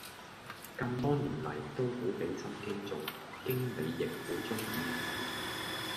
咁多年黎都好俾心機做，經理亦好鍾意佢